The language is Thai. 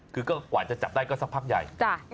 คือก็กว่าจะจับได้ก็สักพักใหญ่